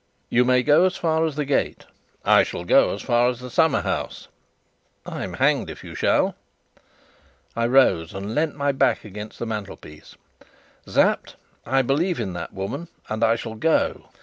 "You may go as far as the gate." "I shall go to the summer house." "I'm hanged if you shall!" I rose and leant my back against the mantelpiece. "Sapt, I believe in that woman, and I shall go."